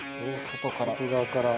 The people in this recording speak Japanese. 外側から。